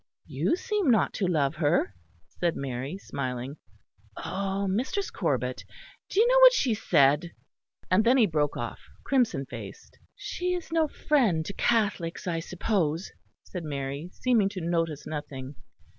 "You seem not to love her," said Mary, smiling. "Oh! Mistress Corbet, do you know what she said " and then he broke off, crimson faced. "She is no friend to Catholics, I suppose," said Mary, seeming to notice nothing.